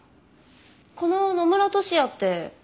この野村俊哉って。